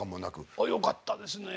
あよかったですねえ。